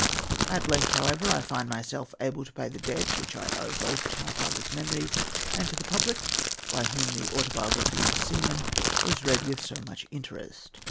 At length, however, I find myself able to pay the debt which I owe both to my father's memory and to the public, by whom the "Autobiography of a Seaman" was read with so much interest.